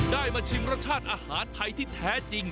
ได้มาชิมรสชาติอาหารไทยที่แท้จริง